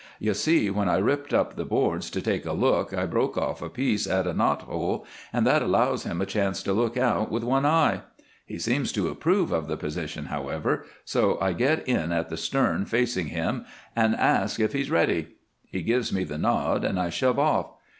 You see, when I ripped up the boards to take a look I broke off a piece at a knot hole, and that allows him a chance to look out with one eye. He seems to approve of the position, however, so I get in at the stern, facing him, and ask if he's ready. He gives me the nod, and I shove off.